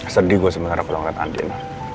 sedih gua sebenarnya kalau ngeliat andien